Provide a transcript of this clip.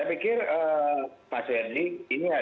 itu sendiri terhadap pemberantasan korupsi di indonesia